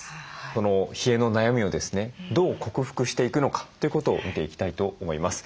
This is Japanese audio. その冷えの悩みをですねどう克服していくのかということを見ていきたいと思います。